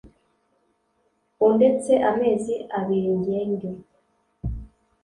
undetse amezi abiri ngende